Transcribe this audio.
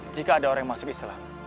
jika ada orang yang masuk islam